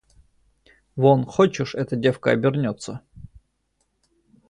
Вон хочешь эта девка обернётся?